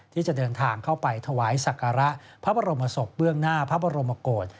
ที่จะเดินทางเข้าไปถวายศักระพระบรมศพเบื้องหน้าพระบรมโกศ